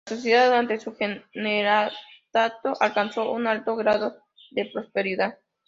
La sociedad durante su generalato alcanzó un alto grado de prosperidad.